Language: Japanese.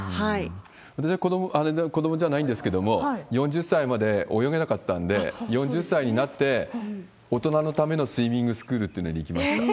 私は子どもじゃないんですけども、４０歳まで泳げなかったんで、４０歳になって、大人のためのスイミングスクールというのに行きました。